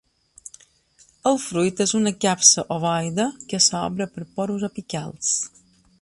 El fruit és una capsa ovoide que s'obre per porus apicals.